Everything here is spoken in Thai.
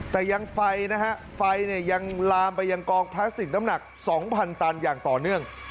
แต่ยังไฟนะฮะไฟเนี่ยยังลามไปยังกองพลาสติกน้ำหนัก๒๐๐ตันอย่างต่อเนื่อง